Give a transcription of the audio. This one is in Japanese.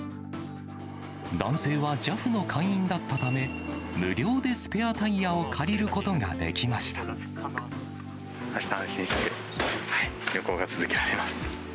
男性はＪＡＦの会員だったため、無料でスペアタイヤを借りることあした、安心して旅行が続けられます。